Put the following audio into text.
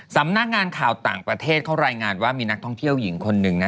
สำนักงานข่าวต่างประเทศเขารายงานว่ามีนักท่องเที่ยวหญิงคนหนึ่งนะ